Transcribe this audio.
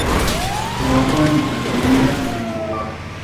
Trabajó en Alemania y en Uruguay.